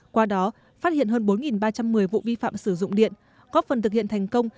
qua đó phát hiện hơn bốn ba trăm một mươi vụ vi phạm sử dụng điện có phần thực hiện thành công